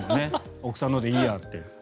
奥さんのでいいやって。